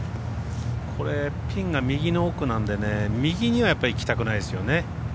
これ、ピンが右の奥なんで右にはやっぱり行きたくないですよね。